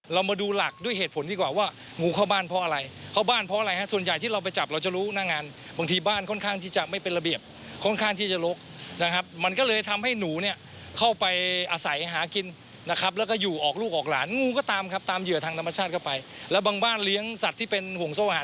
เรามาดูหลักด้วยเหตุผลดีกว่าว่างูเข้าบ้านเพราะอะไรเข้าบ้านเพราะอะไรฮะส่วนใหญ่ที่เราไปจับเราจะรู้หน้างานบางทีบ้านค่อนข้างที่จะไม่เป็นระเบียบค่อนข้างที่จะลกนะครับมันก็เลยทำให้หนูเนี่ยเข้าไปอาศัยหากินนะครับแล้วก็อยู่ออกลูกออกหลานงูก็ตามครับตามเหยื่อทางธรรมชาติเข้าไปแล้วบางบ้านเลี้ยงสัตว์ที่เป็นห่วงโซ่อาหาร